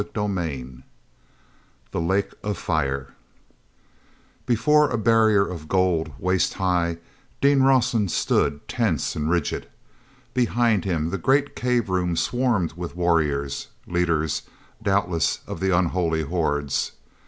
CHAPTER XV The Lake of Fire efore a barrier of gold, waist high, Dean Rawson stood tense and rigid. Behind him the great cave room swarmed with warriors, leaders, doubtless, of the unholy hordes.